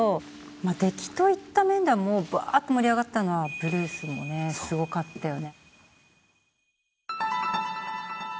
まあ出来といった面ではもうバーッと盛り上がったのは『ブルース』もねすごかったよね。